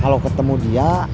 kalau ketemu dia